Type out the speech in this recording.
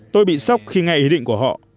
tôi bị sốc khi nghe ý định của họ